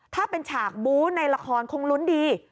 ถ้าเป็นฉากบู๊ในละครคงลุ้นดี